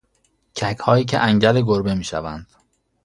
ککهایی که انگل گربه میشوند